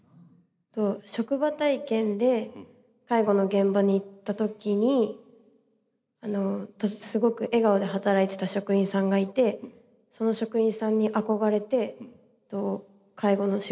職場体験で介護の現場に行った時にすごく笑顔で働いてた職員さんがいてその職員さんに憧れて介護の仕事をしたいなって思いました。